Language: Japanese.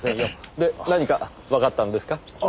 で何かわかったんですか？